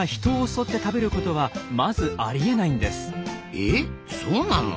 えそうなの？